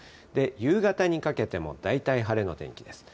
夕方にかけても大体晴れの天気です。